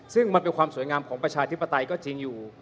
ซึ่งมันเป็นความสวยงามของประชาธิปไตยก็จริงอยู่